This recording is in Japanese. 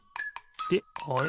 であれ？